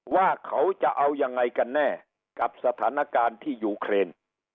ว่าเขาจะเอายังไงกันแน่กับสถานการณ์ที่ยูเครน